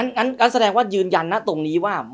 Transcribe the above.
งั้นแสดงว่ายืนยันนะตรงนี้ว่า